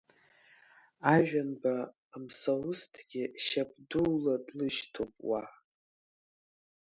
Ажәанба Мсаусҭгьы шьап дула длышьтоуп, уаа!